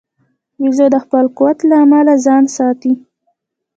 بیزو د خپل قوت له امله ځان ساتي.